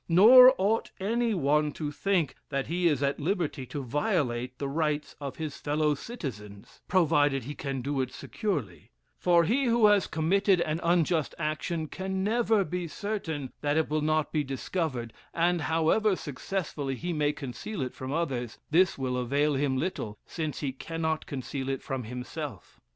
Nor ought any one to think that he is at liberty to violate the rights of his fellow citizens, provided he can do it securely; for he who has committed an unjust action can never be certain that it will not be discovered; and however successfully he may conceal it from others, this will avail him little, since he cannot conceal it from himself.